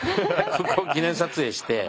ここを記念撮影して。